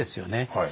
はい。